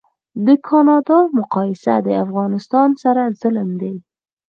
د کانادا مقایسه د افغانستان سره ظلم دی